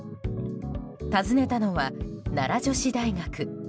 訪ねたのは奈良女子大学。